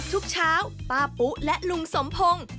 ทุกเช้าป้าปุ๊และลุงสมพงศ์